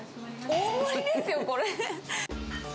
大盛りですよ、これ。